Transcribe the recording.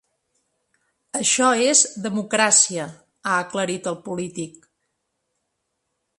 Això és democràcia, ha aclarit el polític.